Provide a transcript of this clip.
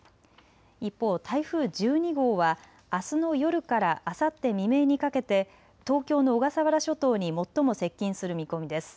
一方、台風１２号はあすの夜からあさって未明にかけて東京の小笠原諸島に最も接近する見込みです。